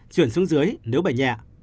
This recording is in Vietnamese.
chuyển xuống dưới nếu bệnh nhẹ